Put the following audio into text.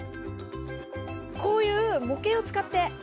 こういう模型を使って。